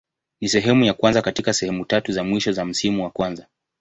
Ni sehemu ya kwanza katika sehemu tatu za mwisho za msimu wa kwanza.